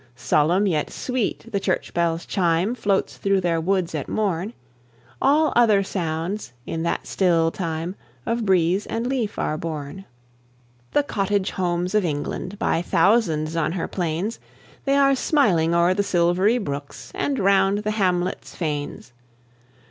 Solemn, yet sweet, the church bell's chime Floats through their woods at morn; All other sounds, in that still time, Of breeze and leaf are born. The cottage homes of England! By thousands on her plains, They are smiling o'er the silvery brooks, And round the hamlets' fanes.